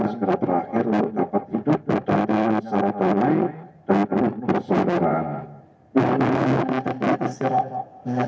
segera berakhir untuk dapat hidup dan keadaan secara damai